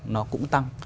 nó cũng tăng